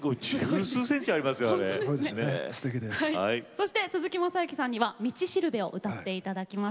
そして鈴木雅之さんには「道導」を歌って頂きます。